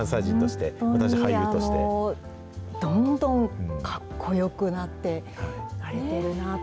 本当にどんどんかっこよくなっていかれてるなと。